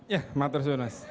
ya matur suanas